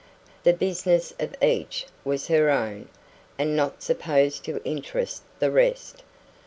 The business of each was her own, and not supposed to interest the rest.